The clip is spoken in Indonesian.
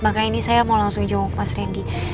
makanya ini saya mau langsung jawab mas randy